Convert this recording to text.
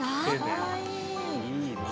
いいなあ。